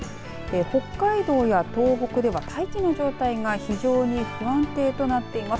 北海道や東北では大気の状態が非常に不安定となっています。